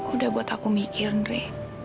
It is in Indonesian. udah buat aku mikir